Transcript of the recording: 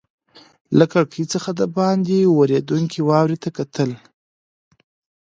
له کړکۍ څخه دباندې ورېدونکې واورې ته کتل.